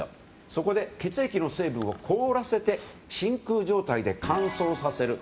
そこで血液の成分を凍らせて真空状態で乾燥させる。